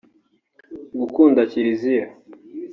gukunda Kiliziya